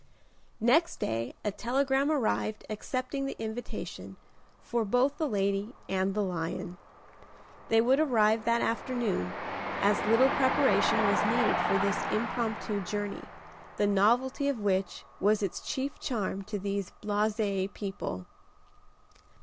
Next day a telegram arrived accepting the invitation, for both the lady and the lion. They would arrive that afternoon, as little preparation was needed for this impromptu journey, the novelty of which was its chief charm to these blasé people.